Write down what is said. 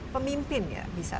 pemimpin ya bisa